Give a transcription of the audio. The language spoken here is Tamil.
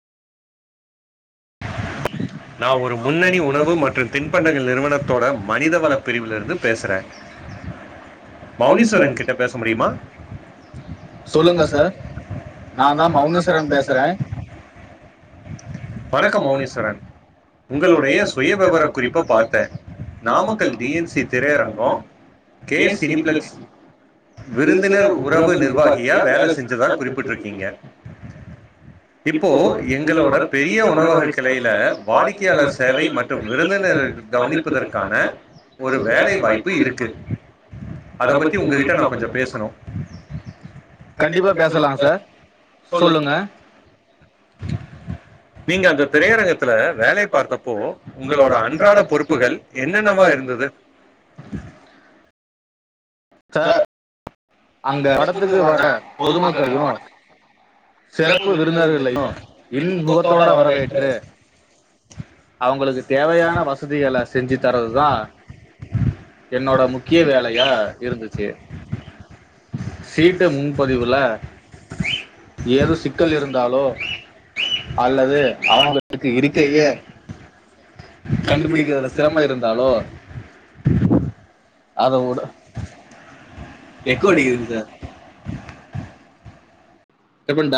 நான் ஒரு முன்னணி உணவு மற்று தின்பண்டங்கள் நிறுவனத்தோட மனித வள பிரிவுல இருந்து பேசுற மௌனீஸ்வரன் கிட்ட பேச முடியுமா சொல்லுங்க சார் நான்தா மௌனீஸ்வரன் பேசுற வணக்கம் மௌனீஸ்வரன் உங்களுடைய சுய விவர குறிப்ப பாத்தே நாமக்கல் டி என் சி திரையரங்கோ கே சினி பிளிக்ஸ் விருந்தினர் உறவு நிர்வாகியா வேல செஞ்சதா குறிப்பிட்ருக்கீங்க இப்போ எங்களோட பெரிய உணவு வகை கிளையில வாடிக்கையாளர் சேவை மை ய விருந்தினர்கள் கவனிப்பதற்கான ஒரு வேலை வாய்ப்பு இருக்கு அத பத்தி உங்ககிட்ட நா கொஞ்சோ பேசணு கண்டிப்பா பேசலாம் சார் சொல்லுங்க நீங்க அந்த திரையரங்கத்துல வேலை பார்த்தப்போ உங்களோட அன்றாட பொறுப்புகள் என்னென்னவா இருந்தது [inaudible] சார் அந்த படத்துக்கு வர பொதுமக்கள்ளயு சிறப்பு விருந்தினர்களயு இன் முகத்தோட வரவேற்று அவுங்களுக்கு தேவையான வசதிகள செஞ்சு தரதுதா என்னோட முக்கிய வேலையா இருந்துச்சு சீட்டு முன்பதிவுல ஏது சிக்கல் இருந்தாலோ அல்லது அவுங்களுக்கு இருக்கையே கண்டுபிடிக்றதுல சிரம இருந்தாலொ அத உட எக்கொ அடிக்குது சார் [unintelligible]